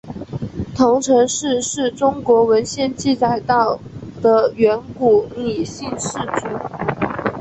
彤城氏是中国文献记载到的远古姒姓氏族。